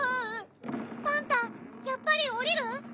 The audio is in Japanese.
パンタやっぱり下りる？